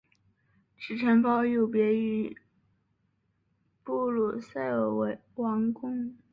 此城堡有别于布鲁塞尔王宫。